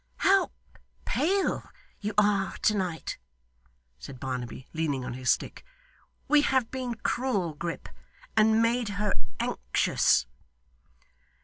'How pale you are to night!' said Barnaby, leaning on his stick. 'We have been cruel, Grip, and made her anxious!